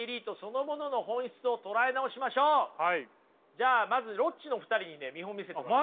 じゃあまずロッチのお二人にね見本見せてもらいましょう。